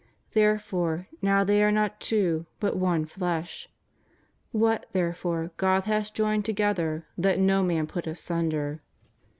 Therefore now they are not two, hut one flesh. What, therefore, God hath joined together, let no man put asunder.